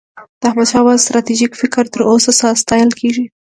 د احمدشاه بابا ستراتیژيک فکر تر اوسه ستایل کېږي.